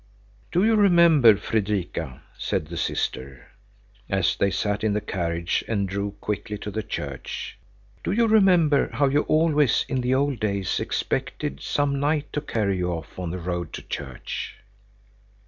"Do you remember, Fredrika," said the sister, as they sat in the carriage and drove quickly to the church, "do you remember how you always in the old days expected some knight to carry you off on the road to church?"